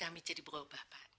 kami jadi berubah pak